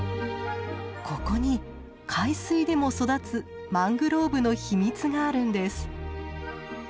ここに海水でも育つマングローブの秘密があるんです。